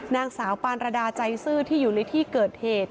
นางสาวปานระดาใจซื่อที่อยู่ในที่เกิดเหตุ